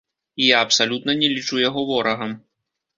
І я абсалютна не лічу яго ворагам.